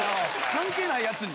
関係ないヤツに。